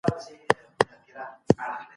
آیا د پوهنې په برخه کي د شفافیت تضمین شتون لري؟